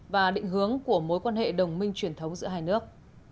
và định hướng của mối quan hệ đồng minh truyền thống giữa hai nước